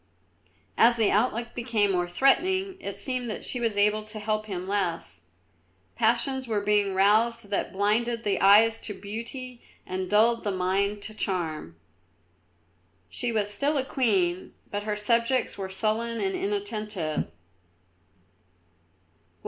As the outlook became more threatening it seemed that she was able to help him less. Passions were being roused that blinded the eyes to beauty and dulled the mind to charm. She was still a queen, but her subjects were sullen and inattentive.